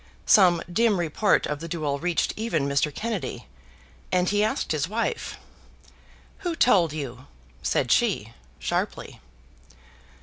Some dim report of the duel reached even Mr. Kennedy, and he asked his wife. "Who told you?" said she, sharply.